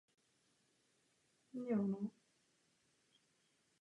Google tak například nabízí možnost nechat si text na obrázku strojově přečíst.